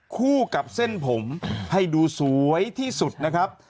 คู่กับเส้นผมให้ดูสวยที่สุดนะครับ